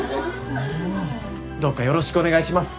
どうかよろしくお願いします。